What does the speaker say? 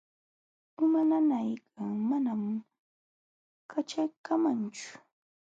Uma nanaykaq manam kaćhaykamanchu.